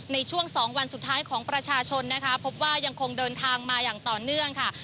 ในช่วงสองวันสุดท้ายของประชาชนนะคะพบว่ายังคงเดินทางมาอย่างต่อเนื่องค่ะ